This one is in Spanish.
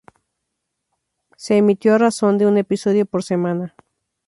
Se emitió a razón de un episodio por semana.